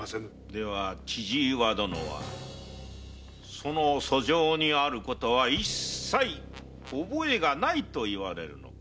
では千々岩殿はその訴状にあることは一切覚えがないと言われるのか？